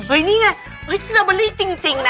เฮ้ยนี่ไงสตรอเบอร์รี่จริงนะ